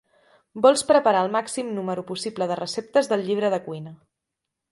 Vols preparar el màxim número possible de receptes del llibre de cuina.